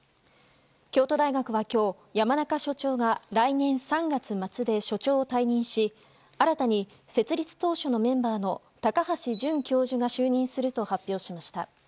京都大学は今日山中所長が来年３月末で所長を退任し新たに設立当初のメンバーの高橋淳教授が就任すると発表しました。